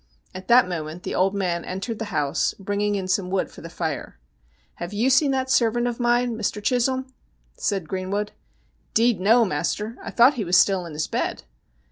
At that moment the ' old man ' entered the house, bring ing in some wood for the fire. ' Have you seen that servant of mine, Mr. Chisholm ?' asked Greenwood. ' 'Deed, no, master ; I thought he was still in his bed.'